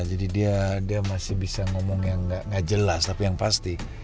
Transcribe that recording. jadi dia masih bisa ngomong yang gak jelas tapi yang pasti